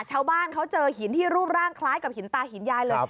ชาวบ้านเขาเจอหินที่รูปร่างคล้ายกับหินตาหินยายเลย